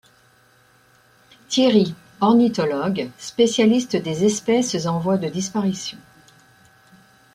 Thierry, ornithologue, spécialiste des espèces en voie de disparition.